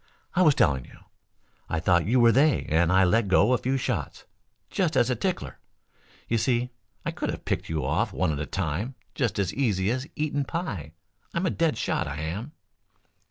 "I was telling you, I thought you were they and I let go a few shots, just as a tickler. You see, I could have picked you off one at a time just as easy as eating pie. I'm a dead shot, I am."